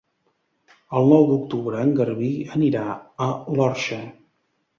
El nou d'octubre en Garbí anirà a l'Orxa.